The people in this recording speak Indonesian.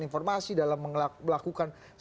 informasi dalam melakukan